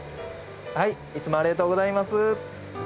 はいいつもありがとうございます。